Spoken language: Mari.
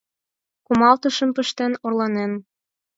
Кумалтышым пыштен орланен.